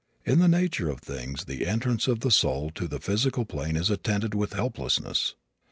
In the nature of things the entrance of the soul to the physical plane is attended with helplessness.